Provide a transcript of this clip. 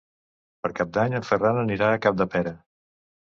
Per Cap d'Any en Ferran anirà a Capdepera.